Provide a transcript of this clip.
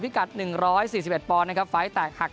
กัด๑๔๑ปอนด์นะครับไฟล์แตกหัก